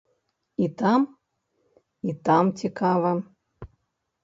І там, і там цікава.